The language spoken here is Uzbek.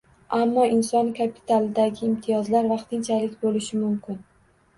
Ammo inson kapitalidagi imtiyozlar vaqtinchalik bo'lishi mumkin